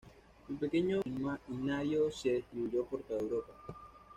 El pequeño himnario se distribuyó por toda Europa.